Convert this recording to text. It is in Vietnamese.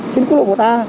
trên quốc lộ một a